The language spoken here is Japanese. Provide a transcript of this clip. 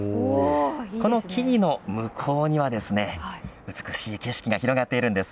この木々の向こうには美しい景色が広がっているんです。